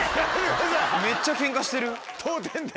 めっちゃケンカしてる。